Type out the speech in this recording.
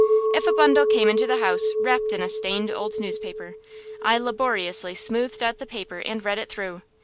If a bundle came into the house wrapped in a stained old newspaper, I laboriously smoothed out the paper and read it through.